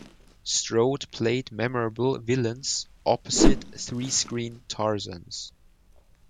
Strode played memorable villains opposite three screen Tarzans.